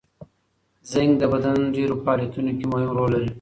زینک د بدن ډېرو فعالیتونو کې مهم رول لري.